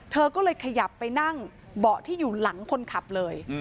เธอก็เลยขยับไปนั่งเบาะที่อยู่หลังคนขับเลย